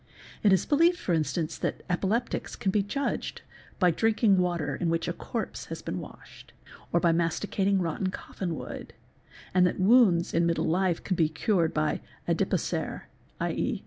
It is believed, for instance, that epileptics can be judged by drinking water in which a corpse has been washed "™®, or by masticating rotten coffinwood, and that wounds in middle life can be cured by adzupocere, i.e.